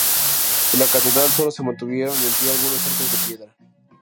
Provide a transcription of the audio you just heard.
De la Catedral sólo se mantuvieron en pie algunos arcos de piedra.